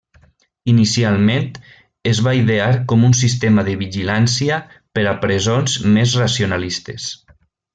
Inicialment, es va idear com un sistema de vigilància per a presons més racionalistes.